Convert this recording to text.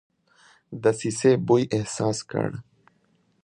دسیسې بوی احساس کړ.